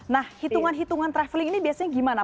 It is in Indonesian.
nah hitungan hitungan traveling ini biasanya gimana